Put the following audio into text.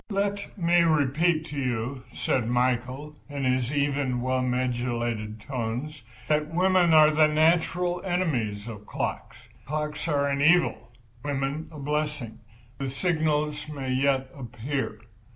"Let me repeat to you," said Prince Michael, in his even, well modulated tones, "that women are the natural enemies of clocks. Clocks are an evil, women a blessing. The signal may yet appear."